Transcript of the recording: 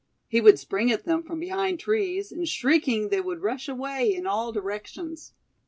He would spring at them from behind trees, and, shrieking, they would rush away in all directions.